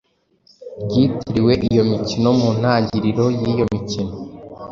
ryitiriwe iyo mikino. Mu ntangiriro y’iyo mikino,